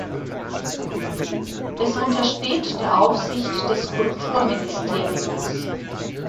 Es untersteht der Aufsicht des Kulturministeriums.